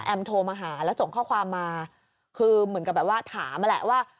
โทรมาหาแล้วส่งข้อความมาคือเหมือนกับแบบว่าถามนั่นแหละว่า